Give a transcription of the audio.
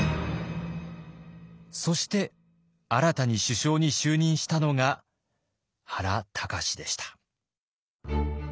そして新たに首相に就任したのが原敬でした。